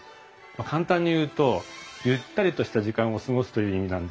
簡単に言うとゆったりとした時間を過ごすという意味なんです。